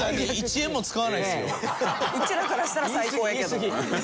うちらからしたら最高やけど。